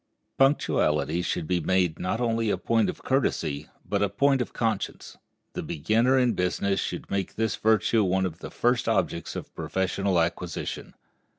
Punctuality should be made not only a point of courtesy but a point of conscience. The beginner in business should make this virtue one of the first objects of professional acquisition.